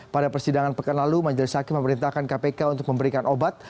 pada persidangan pekan lalu majelis hakim memerintahkan kpk untuk memberikan obat